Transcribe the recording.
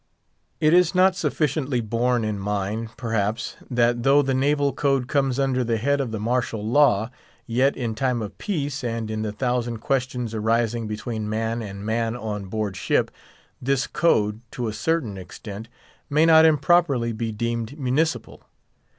It is not sufficiently borne in mind, perhaps, that though the naval code comes under the head of the martial law, yet, in time of peace, and in the thousand questions arising between man and man on board ship, this code, to a certain extent, may not improperly be deemed municipal.